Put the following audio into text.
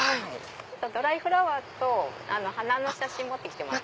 ドライフラワーと花の写真持って来てもらって。